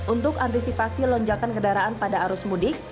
untuk antisipasi lonjakan kendaraan pada arus mudik